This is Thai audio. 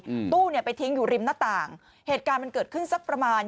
อืมตู้เนี้ยไปทิ้งอยู่ริมหน้าต่างเหตุการณ์มันเกิดขึ้นสักประมาณ